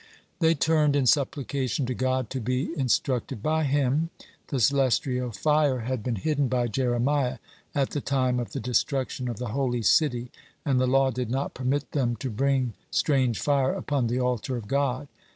They turned in supplication to God to be instructed by Him. The celestial fire had been hidden by Jeremiah at the time of the destruction of the Holy City, and the law did not permit them to bring "strange fire" upon the altar of God.